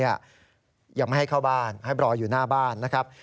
ยังไม่ให้เข้าบ้านให้รออยู่หน้าบ้านนะครับ